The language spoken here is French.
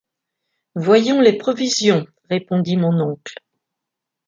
Voyons les provisions, » répondit mon oncle.